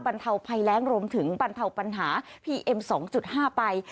บรรเทาไพแร้งรวมถึงบรรเทาปัญหาพีเอ็มสองจุดห้าไป